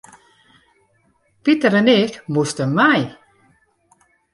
Piter en ik moasten mei.